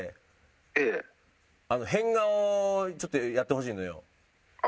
「ええ」変顔をちょっとやってほしいのよ。